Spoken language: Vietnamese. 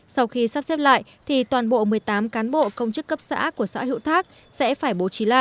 sau khi sắp xếp lại thì toàn bộ một mươi tám cán bộ công chức cấp xã của xã hữu thác sẽ phải bố trí lại